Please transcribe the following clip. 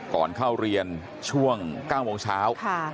ก่อนเข้าเรียนช่วง๙โมงเช้า